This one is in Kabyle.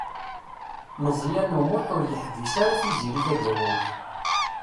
Meẓyan U Muḥ ur yeḥbis ara Tiziri Tagawawt.